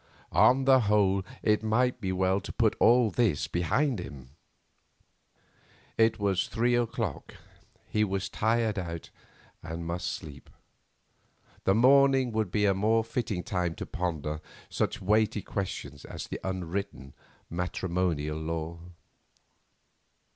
On the whole it might be well to put all this behind him. It was three o'clock, he was tired out, and must sleep. The morning would be a more fitting time to ponder such weighty questions of the unwritten matrimonial law.